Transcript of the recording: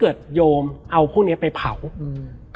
แล้วสักครั้งหนึ่งเขารู้สึกอึดอัดที่หน้าอก